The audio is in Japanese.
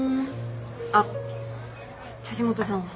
あっ橋本さんは？